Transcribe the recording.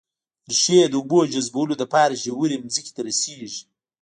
ريښې د اوبو جذبولو لپاره ژورې ځمکې ته رسېږي